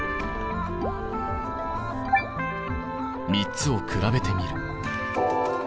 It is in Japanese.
３つを比べてみる。